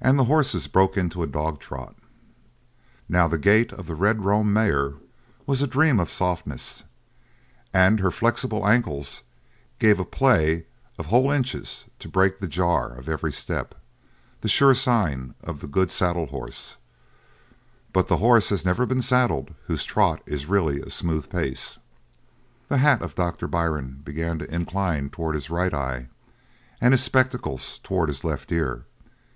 And the horses broke into a dog trot. Now the gait of the red roan mare was a dream of softness, and her flexible ankles gave a play of whole inches to break the jar of every step, the sure sign of the good saddle horse; but the horse has never been saddled whose trot is really a smooth pace. The hat of Doctor Byrne began to incline towards his right eye and his spectacles towards his left ear.